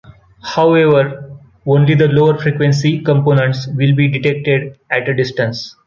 However, only the lower frequency components will be detected at a distance.